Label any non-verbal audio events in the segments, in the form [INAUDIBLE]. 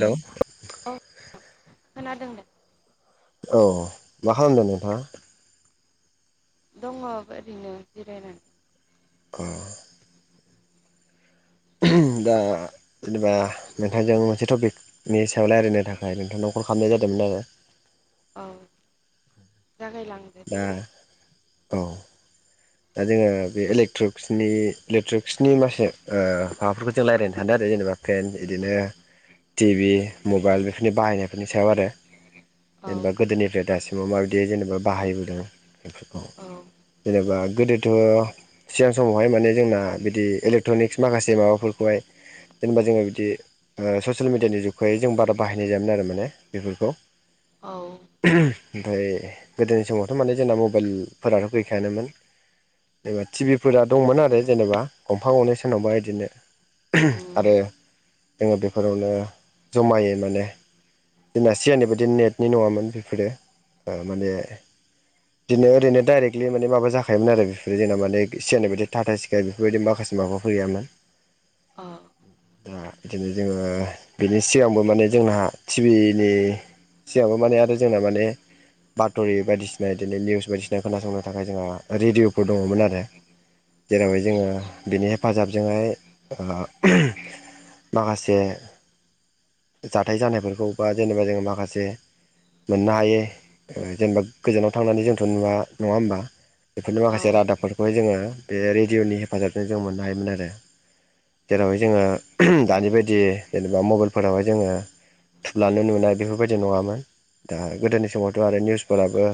हेल' औव खोनादों दे औ मा खालामदों नोंथाङा दङ ओरैनो जिरायनानै अ [UNINTELLIGIBLE] दा जेनेबा नोंथांजों मोनसे टपिकनि सायाव रायज्लायनो थाखाय नोंथांनाव कल खालामनाय जादोंमोन आरो [UNINTELLIGIBLE] औ जागायलांदो दे औव दा जोङो बे इलेक्ट्रक्सनि इलेक्ट्रिक्सनि मासे ओ माबाफोरखौ जों रायज्लायनो थादों आरो जेनेबा फेन बिदिनो टिभि मबाइल बेफोरनि बाहायनायफोरनि सायाव आरो औ जेनेबा गोदोनिफ्राय दासिमाव माबायदि जेनेबा बाहायबोदों। बेफोरखौ औ जेनेबा गोदोथ' सिगां समावहाय माने जोंना बिदि इलेक्ट्र'निक्स माखासे माबाफोरखौहाय जेनेबा जोङो बिदि ससियेल मिडियानि जुग खायै जों बारा बाहायनाय जायोमोन आरो माने बेफोरखौ औ ओमफ्राय गोदोनि समावथ' माने जोंना मबाइलफोराथ' गैखायानोमोन। जेनेबा टिभिफोरा दंमोन आरो जेनेबा गंफा गंनै सोरनावबा इदिनो उम आरो जोङो बेफोरावनो जमायै माने दिना सियानि बादि नेटनि नङामोन बेफोरो ओ माने बिदिनो ओरैनो डाइरेक्टलि माने माबा जाखायोमोन आरो बेफोर जोंना माने सिगांनि बायदि टाटा सि्काय बेफोरबायदि माखासे माबो फैयामोन। औ दा बिदिनो जोङो बिनि सिगांबो माने जोंना टिभिनि सिगांबो माने आरो जोंना माने बाथ'रि बायदिसिना बिदिनो निउस बायदिसिना खोनासंनो थाखाय जोंहा रेडिअ'फोर दङमोन आरो जेरावहाय जोङो बिनि हेफाजाबजोंहाय माखासे जाथाय जानायफोरखौ बा जेनेबा जोङो माखासे मोननो हायो जेनेबा गोजानाव थांनानै जोंथ' नुवा नङा होमबा बेफोरनि औ माखासे रादाबफोरखौहाय जोङो बे रेडिअ'नि हेफाजाबजों जों मोननो हायोमोन आरो जेरावहाय जोङो दानि बायदि जेनेबा मबाइलफोरावहाय जोङो थुबलानो नुनाय बेफोरबायदि नङामोन दा गोदोनि समावथ' आरो निउसफोराबो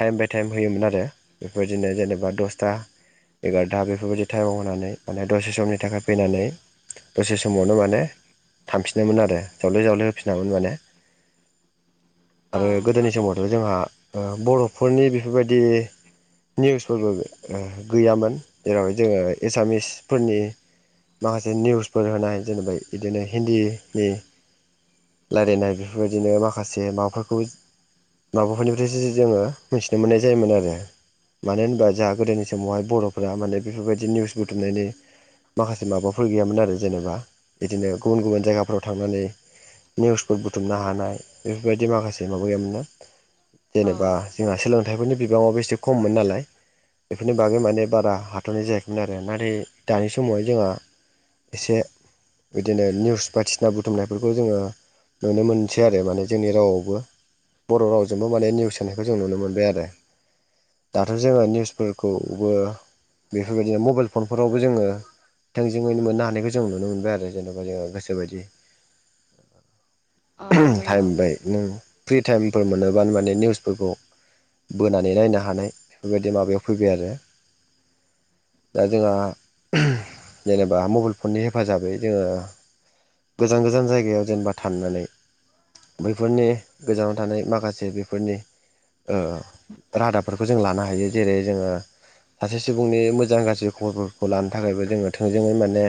टाइम बाय टाइम होयोमोन आरो बेफोरदिनो जेनेबा दसथा एगार'था बेफोरबायदि टाइमाव होनानै माने दसे समनि थाखाय फैनानै दसे समावनो माने थांफिनोमोन आरो जावले जावले फिनामोन माने आरो ओं गोदोनि समावथ' जोंहा बर'फोरनि बेफोरबायदि निउसफोरबो गैयामोन जेरावहाय जोङो एसामिसफोरनि माखासे निउसफोर होनाय जेनेबा बिदिनो हिन्दीनि रायलायनाय बेफोरबायदिनो माखासे माबाफोरखौ माबाफोरनिफ्रायसो जोङो मिथिनो मोननाय जायोमोन आरो मानो होनबा जोंहा गोदोनि समावहाय बर'फोरा माने बेफोरबायदि निउस बुथुमनायनि माखासे माबाफोर गैयामोन आरो जेनेबा बिदिनो गुबुन गुबुन जायगाफ्राव थांनानै निउसफोर बुथुमनो हानाय बेफोरबायदि माखासे माबा गैयामोनना औ जेनेबा जोंहा सोलोंथाइफोरनि बिबाङाव एसे खममोन नालाय बेफोरनि बागै माने बारा हाथ'नाय जायाखैमोन आरो नाथाय दानि समावहाय जोंहा एसे बिदिनो निउस बायदिसिना बुथुमनायफोरखौ जोङो नुनो मोनसै आरो माने जोंनि रावआवबो बर' रावजोंबो माने निउस होनानायखौ जों नुनो मोनबाय आरो दाथ' जोङो निउसफोरखौबो बेफोरबायदिनो मबाइल फनफोरावबो जोङो थोंजोङैनो मोननो हानायखौ जों नुनो मोनबाय आरो जेनेबा जों गोसोबायदि औ नंगौ थाइमबाय नों फ्रि थाइमफोर मोनोबानो माने फोरखौ बोनानै नायनो हानाय बेफोरबायदि माबायाव फैबाय आरो दा जोंहा जेनेबा मबाइल फननि हेफाजाबै जोङो गोजान गोजान जायगायाव जेनेबा थाननानै बैफोरनि गोजानाव थानाय माखासे बेफोरनि ओ रादाबफोरखौ जों लानो हायो जेरै जोङो सासे सुबुंनि मोजां गाज्रि खबरफोरखौ लानो थाखायबो जोङो थोंजोङै माने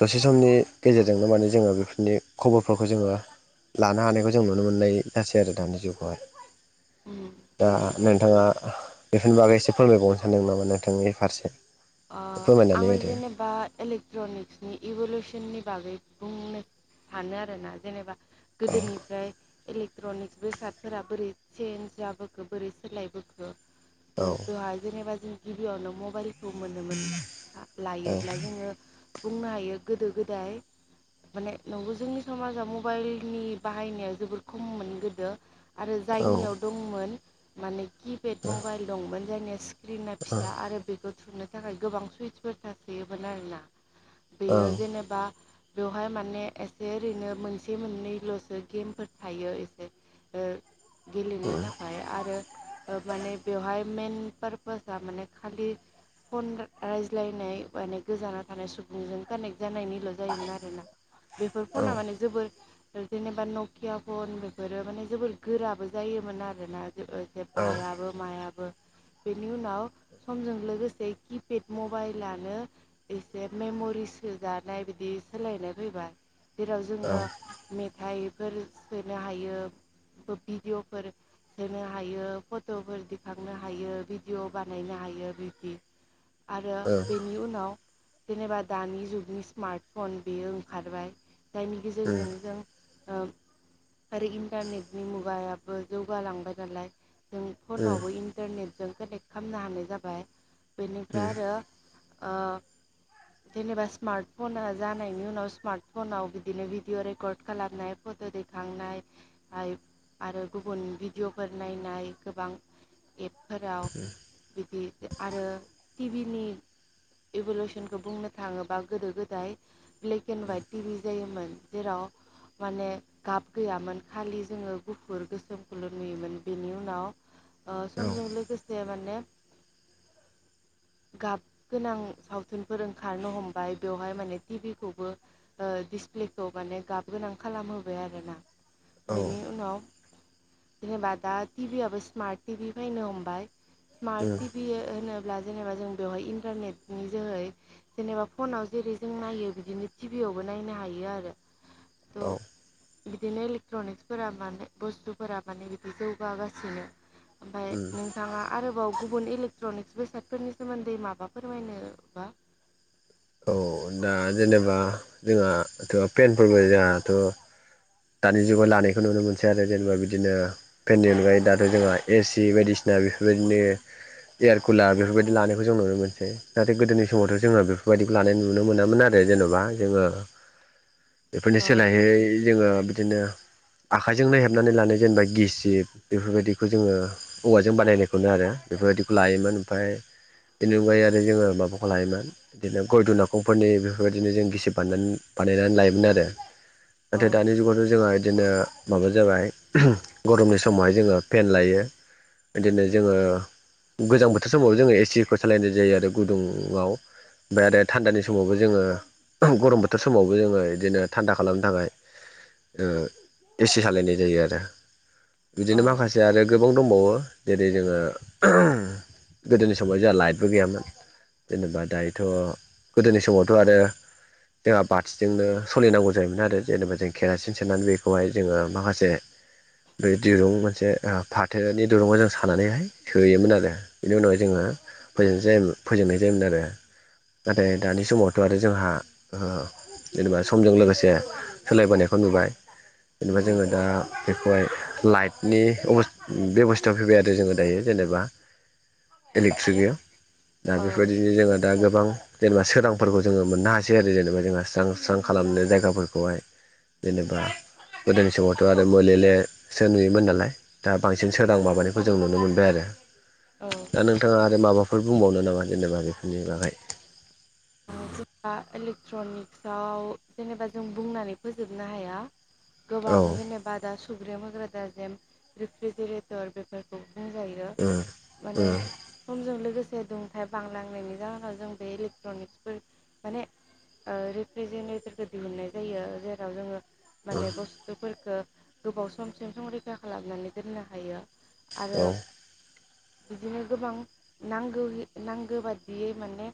दसे समनि गेजेरजोंनो माने जोङो बेफोरनि खबरफोरखौ जोङो लानो हानायखौ जों नुनो मोननाय जासै आरो दानि जुगावहाय दा [UNINTELLIGIBLE] नोंथाङा बेफोरनि बागै एसे फोरमायबावनो सानदों नामा नोंथांनि फारसे ओ फोरमायनानै आङो होदो जेनेबा इलेक्ट्रनिक्सनि इभलउसननि बागै बुंनो सानो आरोना जेनेबा औ गोदोनिफ्राय इलेक्ट्रनिक्स बेसादफोरा बोरै सेन्ज जाबोखो बोरै सोलायबोखो औ थह बेवहाय जेनेबा जों गिबियावनो मबाइलखौ मोननो मोन औ लायोब्ला जोङो बुंनो हायो गोदो गोदाय माने नंगौ जोंनि समाजा मबाइलनि बाहायनाया जोबोर खममोन गोदो आरो औ जायनियाव दंमोन माने किपेड मबाइल दंमोन जायनिया स्क्रिना फिसा आरो बेखौ बुथुमनो थाखाय गोबां सुइट्सफोर थासोयोमोन आरोना औ बेयो जेनेबा बेवहाय माने एसे ओरैनो मोनसे मोननैल'सो गेमफोर थायो एसे गेलेनो थाखाय आरो माने बेवहाय मेन पारपासा माने खालि फन रायज्लायनाय माने गोजाना थानाय सुबुंजों कानेक्ट जानायनिल' जायोमोन आरो ना बेफोर फना माने जोबोर जेनेबा नकिया फन बेफोरो माने जोबोर गोराबो जायोमोन आरो ना [INAUDIBLE] औ बायाबो मायाबो बेनि उनाव समजों लोगो [INAUDIBLE] मबाइलानो एसे मेम'रि सोजानाय बिदि सोलायनाय फैबा जेराव जोङो मेथाइफोर सोनो हायो भिडिय'फोर सोनो हायो फट'फोर दिखांनो हायो भिडिय' बानायना हायो बिदि आरो बेनि उनाव जेनेबा दानि जुगनि स्मार्टफन बेयो ओंखारबाय जायनि गेजेरजों जों ओ रिइन्टारनेटनि मुगायाबो जौगा लांबाय नालाय जों फनावबो इन्टारनेटजों कानेक्ट खालामनो हानाय जाबाय बेनिफ्राय आरो जेनेबा स्मार्ट फना जानायनि उनाव स्मार्ट फनाव बिदिनो भिडिअ रेकर्ड खालामनाय गोदै' खांनाय हायप आरो गुबुन भिडिअ'फोर नायनाय गोबां एप' फोराव बिदि आरो टिभि नि इभुलउसनखौ बुंनो थाङोबा गोदो गोदाय black and white T V जायोमोन जेराव माने गाब गैयामोन खालि जोङो गुफुर गोसोमखौल' नुयोमोन बेनि उनाव ओ समजों लोगोसे माने [INAUDIBLE] गाब गोनां सावथुनफोर ओंखारनो हमबाय बेवहाय माने टिभि खौबो ओ दिस- फ्लेखौ माने गाब गोनां खालामहोबाय आरो ना औ बेनि उनाव- जेनेबा दा टिभि आबो स्मार्ट टिभि फैनो हमबाय औ उम औ समार्ट उम टिभि होनो- दा जेबा जों बेहाय इनटार नेटनि जोहै जेनेबा फनाव जेरै' जों नायो बिनो टिभि खौबो नायनो हायो आरो औ थ- बिदिनो इलेक्ट्रनिक्सफोरा माने बुस्थुफोरा माने बिदि जौगागासिनो! ओमफाय उम नोंथाङा आरोबाव गुबुन इलेक्ट्रनिक्स बेसादफोरनि सोमोन्दै माबा फोरमायनो बा? औ दा जेनेबा जोंहाथ' पेनफोरबो जोंहाथ'- दानि जुगाव लानायखौ नुनो मोनसै आरो जेनेबा बिदिनो फेननि अनगायै दाथ' जोंहा ए सि बायदिसि- दा बेफोरबायदि नो- एयारकुलार बेफोरबायदि लानायखौ जों नुनो मोनसै नाथाय गोदोनि समावथ' जोङो बेफ बायदिखौ लानाय नुनो मोनामोन आरो जेन'बा जोङो- बेफोरनि औ सोलायहै जोङो बिदिनो- आखाइजोंनो हेबनानै लानो जेनेबा गिसिब बेफोरबायदिखौ जोङो औवाजों बानायनाय खौनो आरो बेफोर- बिदिखौ लायोमोन ओमफ्राय बेनि अनगायै आरो जोङो माबाखौ लायोमोन! बिदिनो गय दु' नखंफोरनि बेफोरबायदिनो जों गिसि बानायनानै बानायनानै लायोमोन आरो। औ नाथाय दानि जुगावथ [INAUDIBLE] बिदिनो माबा जाबाय गरमनि समाव हाय जोङो फेन लायो। बिदिनो जोङो गोजां बोथोर समाव जोङो एसिफोर सालायनाय जायो आरो गुदुंआव- आरो थान्दानि समावबो जोङो औ गरम बोथोर समावबो जोङो बिदिनो थान्दा खालामनो थाङाय एसि सालायनाय जायो आरो। बिदिनो औ माखासे आरो गोबां दंबावो जेरै'जोङो [INAUDIBLE] गोदोनि समाव जोंहा लाइटबो गैयामोन जेनेबा दायो थ' गोदोनि समावथ' आरो जोंहा बाथिजोंनो सोलिनांगौ जायोमोन आरो जेनेबा जों केरासिन सेरनानै बेखौहाय जोङो माखासे बे दिरुं मोनसे फाथोनि दिरुंआव जों सानानैहाय सोयोमोन आरो बेनि उनावहाय जोङो फोजों-फोजोंनाय जायोमोन आरो नाथाय दानि समावथ' आरो जोंहा जेनेबा समजों लोगोसे सोलायबोनायखौ नुबाय जेनेबा उम जोङो दा बेखौहाय लाइटनि बेबस्थायाव फैबाय आरो जोङो दायो जेनेबा इलेक्ट्रिक गैया दा औ बेफोरबायदिनो जोंड़ो गोबां जेनेबा सोरांफोरखौ जोङो मोननो हासै आरो जेनेबा जोंहा स्रां -स्रां खालामनो जायगा फोरखौहाय। जेनेबा गोदोनि समावथ' आरो मोलेलेसो नुयोमोन नालाय दा बांसिन सोरां माबानायखौ जों नुनो मोनबाय आरो। औ दा नोंथाङा आरो माबाफोर बुंबावनो नामा जेनेबा बेफोरनि बागै? जेनेबा इलेक्ट्रनिक्सआव जेनेबा जों बुंनानै फोजोबनो हाया। गोबां औ जेनेबा दा सुग्रेम होग्रा दा जेम रिफ्रिजिरेटर बेफोरखौ बुंजायो उम माने उम समजों लोगोसे दुंथायाइ बांलांनायनि जाहोनाव जों बे इलेक्ट्रनिक्स फोर माने ओ रिफ्रेजेनेटरखौ दिहुननाय जायो जेराव जोङो उम माने बुस्थुफोरखौ गोबाव समसिम संरैखा खालामनानै दोननो हायो। आरो औ बिदिनो गोबां नांगौ- नांगौ बादियै माने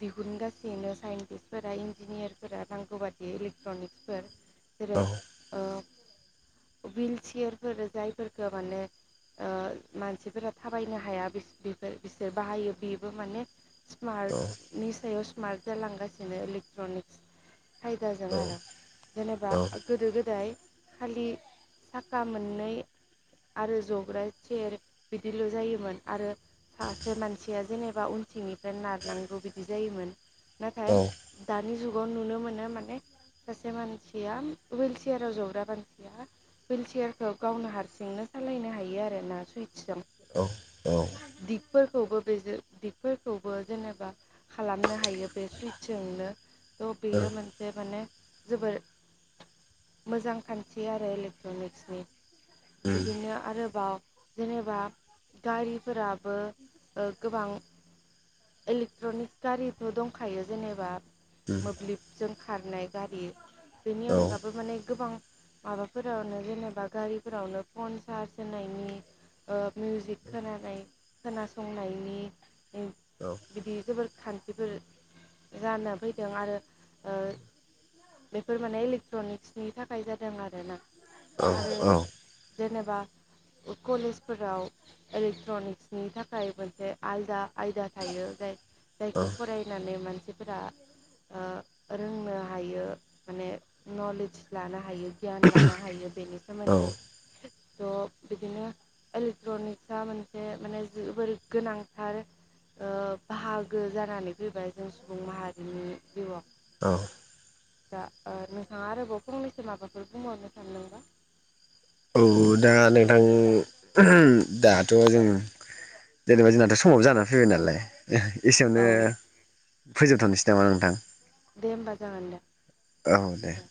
दिहुनगासिनो साइन्टिस्टफोरा इन्जिनियारफोरा नांगौ बादि इलेक्ट्रनिक्सफोर औ जेरै ओ [INAUDIBLE] [INAUDIBLE] विल चियारफोर जायफोरफोरखौ माने ओ मानसिफोरा थाबायनो हाया बेफोर बिसोर बाहायो बेबो माने औ स्मार्टनि सायाव स्मार्ट जालांगासिनो इलेक्ट्रनिक्स औ खायदाजों आरो जेनेबा औ गोदो -गोदाय खालि साखा मोननै आरो जग्रा चेयर बिदिल' जायोमोन आरो सासे मानसिया जेनेबा उनथिंनि ओमफ्राय नारनांगौ बिदि जायोमोन नाथाय औ ओ उम औ दानि जुगाव नुनो मोनो माने सासे मानसिया विल चियाराव जग्रा मानसिया विइल चियारखौ गावनो हारसिंनो सालायनो हायो आरोना सुय सिम औ औ दिगफोरखौबो बेजों दिगफोरखौबो जेनेबा खालामनो हायो बे सुइट्स जोंनो थ' बेयो मोनसे माने जोबोर मोजां खान्थि आरो इलेक्ट्रनिक्सनि। बिदिनो आरोबाव जेनेबा गारिफोराबो ओ गोबां इलेक्ट्रनिकस गारिथ' दंखायो जेनेबा मोब्लिबजों खारनाय गारि। बेनि अनगाबो माने गोबां माबाफोरावनो जेनेबा गारिफोरावनो फन चार्ज होनायनि ओ मिउजिक खोनानाय खोनासंनायनि बिदि जोबोर खान्थिफोर जानो फैदों आरो ओ बेफोर माने इलेक्ट्रनिक्सनि थाखाय जादों आरो ना। औ- औ। जेनेबा कलेजफोराव इलेक्ट्र'निक्सनि थाखाय मोनसे आलदा आयदा थायो जाय -जायखौ फरायनानै मानसिफोरा ओ रोंनो हायो माने नलेज लानो हायो। गियान लानो हायो बेनि औ सोमोन्दै थ' बिदिनो इलेक्ट्रनिक्स आ मोनसे माने जोबोर गोनांथार ओ बाहाग गोग्गो जानानै फैबाय जों सुबुं माहारिनि जिउआव। औ। दा ओ नोंथाङा आरोबाव फंनैसो माबाफोर बुंबावनो सानदोंबा औ दा नोंथां दाथ' जों जेनेबा जोंनाथ' समाबो जानानै फैबाय नालाय दे एसेयावनो औ फोजोबथ'नोसै नामा नोंथां दे होमबा जागोन दे दे